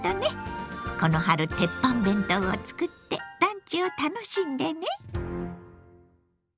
この春テッパン弁当を作ってランチを楽しんでね！